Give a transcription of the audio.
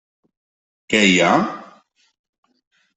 Què hi ha?